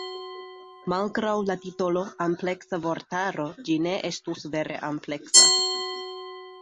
Malgraŭ la titolo "ampleksa vortaro" ĝi ne estus vere ampleksa.